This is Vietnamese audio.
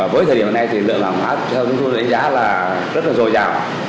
với thời điểm này thì lượng hàng hóa theo chúng tôi đánh giá là rất là dồi dào